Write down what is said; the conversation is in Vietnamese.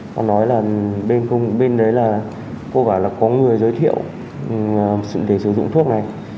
còn nói là bên đấy là cô gọi là có người giới thiệu để sử dụng thuốc này